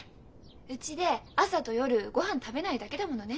うちで朝と夜御飯食べないだけだものね。